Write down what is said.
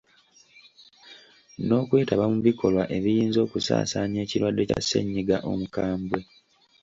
N’okwetaba mu bikolwa ebiyinza okusaasaanya ekirwadde kya ssennyiga omukambwe.